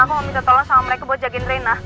aku mau minta tolong sama mereka buat jakin rena